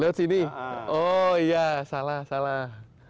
lewat sini oh iya salah salah